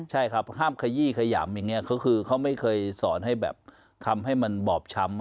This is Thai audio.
ใช่ครับห้ามขยี้ขยำอย่างนี้ก็คือเขาไม่เคยสอนให้แบบทำให้มันบอบช้ำ